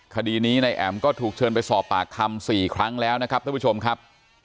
คดีนี้นายแอ๋มก็ถูกเชิญไปสอบปากคำ๔ครั้งแล้วนะครับท่านผู้ชมครับ